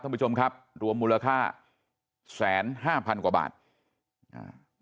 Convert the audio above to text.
ท่านผู้ชมครับรวมมูลค่าแสนห้าพันกว่าบาทอ่า